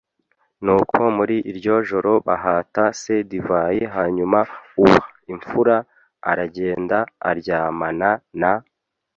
Nuko muri iryo joro bahata se divayi hanyuma uw imfura aragenda aryamana na